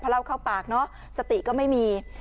เพราะเหล้าเข้าปากเนอะสติก็ไม่มี